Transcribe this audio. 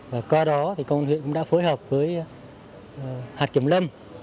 và qua đó thì công an huyện cũng đã phối hợp với hạt kiểm lâm